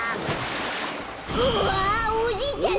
うわおじいちゃん